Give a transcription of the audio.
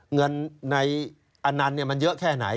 เงินในอนันต์มันเยอะแค่ไหน